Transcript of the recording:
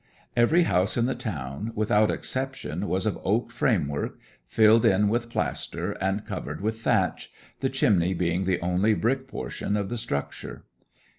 Every house in the town, without exception, was of oak framework, filled in with plaster, and covered with thatch, the chimney being the only brick portion of the structure.